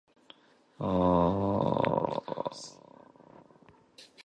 Gallagher was born in Epsom and attended Howard of Effingham School.